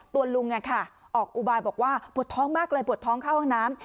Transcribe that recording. ตัวลุงออกอุบายบอกว่าปวดท้องมากเลยปวดท้องเข้าห้องน้ำ